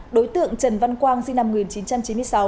đối tượng trần văn quang sinh năm một nghìn chín trăm chín mươi sáu